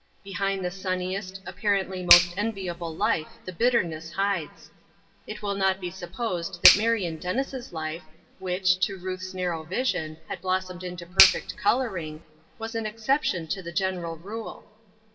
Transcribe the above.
Behind the sunniest, apparently most enviable life the bitterness hides. \ It will not be supposed that Marion Dennis' life, which, to Ruth's narrow vision, had blossomed into per fect coloring, was an exception to the general rule.